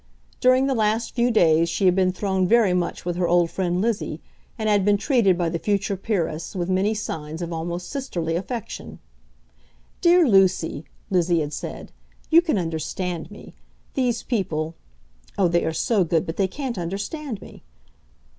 During the last few days she had been thrown very much with her old friend Lizzie, and had been treated by the future peeress with many signs of almost sisterly affection. "Dear Lucy," Lizzie had said, "you can understand me. These people, oh, they are so good, but they can't understand me."